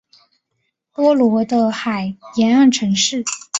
波罗的海沿岸城市。